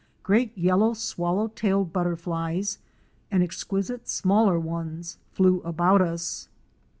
Great yellow swallow tailed butterflies and exquisite smaller ones flew about us.